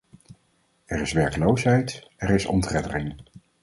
Er is werkloosheid, er is ontreddering.